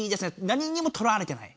何にもとらわれてない。